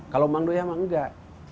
kalau mang duyeh mah enggak